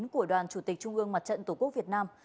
của đoàn chủ tịch trung ương mặt trận tổ quốc việt nam